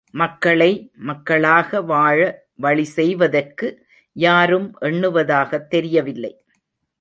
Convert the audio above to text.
மக்களை, மக்களாக வாழ, வழி செய்வதற்கு யாரும் எண்ணுவதாகத் தெரியவில்லை.